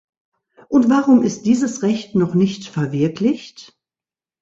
Und warum ist dieses Recht noch nicht verwirklicht?